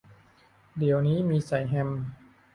เดี๋ยวนี้มีใส่แฮม